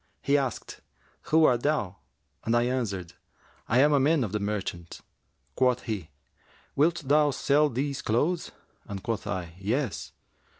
He asked, 'Who art thou?' and I answered, 'I am a man of the merchants.' Quoth he, 'Wilt thou sell these clothes?'; and quoth I, 'Yes.'